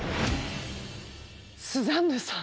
スザンヌさん。